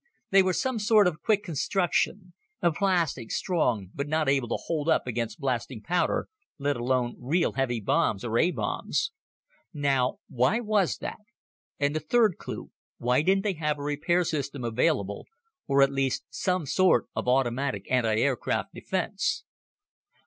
They were some sort of quick construction a plastic, strong, but not able to hold up against blasting powder, let alone real heavy bombs or A bombs. "Now why was that? And the third clue, why didn't they have a repair system available, or at least some sort of automatic antiaircraft defense?"